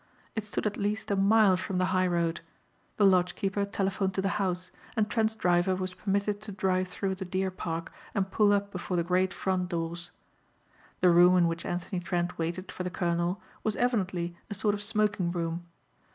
It stood at least a mile from the high road. The lodge keeper telephoned to the house and Trent's driver was permitted to drive through the deer park and pull up before the great front doors. The room in which Anthony Trent waited for the colonel was evidently a sort of smoking room.